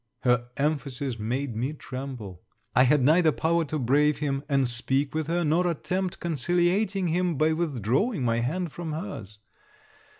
Her emphasis made me tremble. I had neither power to brave him, and speak with her, nor attempt conciliating him, by withdrawing my hand from her's.